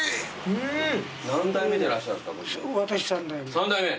私３代目。